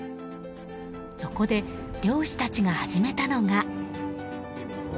そこで、漁師たちが始めたのが。